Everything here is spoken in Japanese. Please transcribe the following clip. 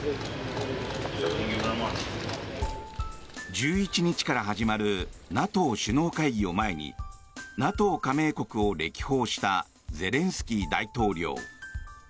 １１日から始まるＮＡＴＯ首脳会議を前にＮＡＴＯ加盟国を歴訪したゼレンスキー大統領。